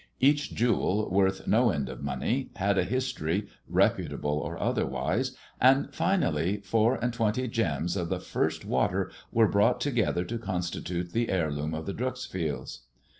Each jewel, worth no end of money, had a history, reputable or otherwise, and, finally, four and twenty gems of the first water were brought together to constitute the heirloom of the Dreuxfields.